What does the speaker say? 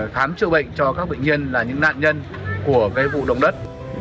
khám trự bệnh cho các bệnh nhân là những nạn nhân của cái vụ đồng đất